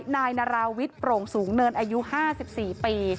นายนาราวิทย์โปร่งสูงเนินอายุ๕๔ปี